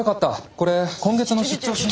これ今月の出張申請。